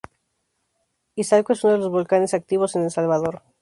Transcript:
Izalco es uno de los volcanes activos en El Salvador.